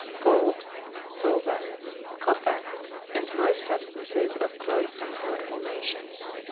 _ Gold, silver, copper, and most substances of close and hard formation, &c.